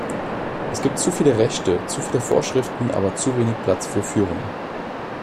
Es gibt zu viele Rechte, zu viele Vorschriften, aber zu wenig Platz für Führung.